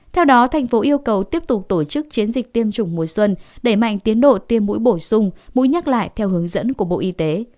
theo đó thành phố yêu cầu tiếp tục tổ chức chiến dịch tiêm chủng mùa xuân đẩy mạnh tiến độ tiêm mũi bổ sung mũi nhắc lại theo hướng dẫn của bộ y tế